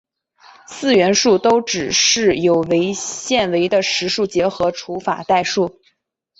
四元数都只是有限维的实数结合除法代数。